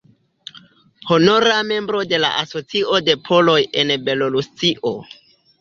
Honora membro de la Asocio de poloj en Belorusio.